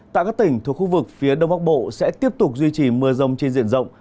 tại các tỉnh thuộc khu vực phía đông bắc bộ sẽ tiếp tục duy trì mưa rông trên diện rộng